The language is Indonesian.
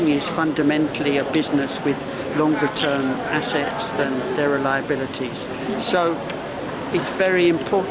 jadi sangat penting untuk memulai reformasi memulai standar internasional yang berkumpul